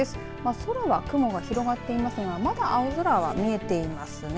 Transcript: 空は雲が広がっていますがまだ青空は見えていますね。